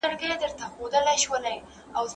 د کلیو په ښوونځیو کي د اوبو پمپونه نه وو.